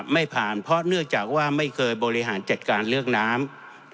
ไม่ผ่านเพราะเนื่องจากว่าไม่เคยบริหารจัดการเรื่องน้ำ